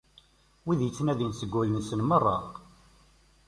Wid i t-ittnadin seg wul-nsen merra!